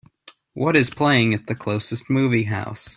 What is playing at the closest movie house